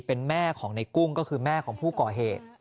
เป็นแม่ของในกุ้งก็คือแม่ของผู้ก่อเหตุ